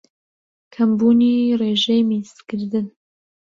کەمبوونی رێژەی میزکردن